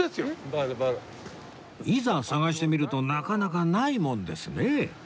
いざ探してみるとなかなかないもんですね